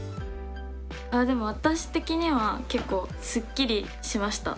でも私的には結構すっきりしました。